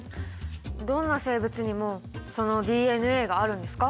どんな生物にもそのＤＮＡがあるんですか？